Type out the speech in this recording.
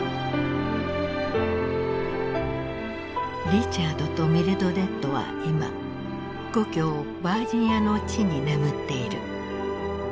リチャードとミルドレッドは今故郷バージニアの地に眠っている。